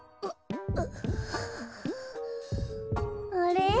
あれ？